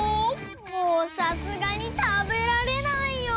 もうさすがにたべられないよ！